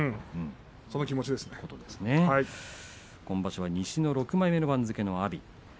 今場所は西の６枚目の番付の阿炎。